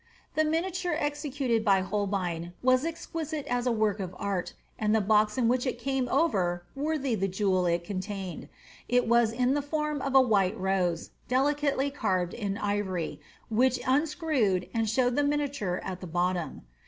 ' The miniature executed by Holbein was exquisite as a work of ait, and the box in which it came over ^ worthy the jewel it contained ;'' it was in the form of a white rose, delicately carved in ivory, which mi screwed, and showed the miniature at the bottom.